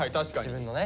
自分のね。